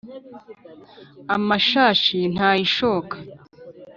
Amashashi ntayishoka